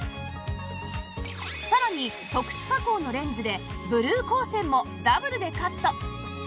さらに特殊加工のレンズでブルー光線もダブルでカット